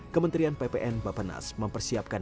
kementerian ppn bapak nas mempersiapkan